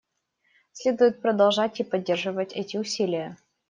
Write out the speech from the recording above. Следует продолжать и поддерживать эти усилия.